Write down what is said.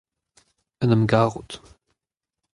en em garout.